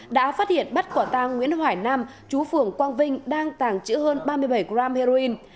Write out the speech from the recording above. đã phát hiện bắt quả tàng nguyễn hoài nam chú phường quang vinh đang tàng trữ hơn ba mươi bảy gram heroin